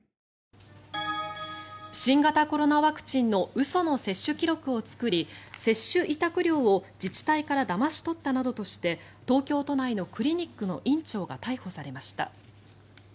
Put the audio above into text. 新型コロナワクチンの嘘の接種記録を作り接種委託料を自治体からだまし取ったなどとして東京都内のクリニックの院長が逮捕されました。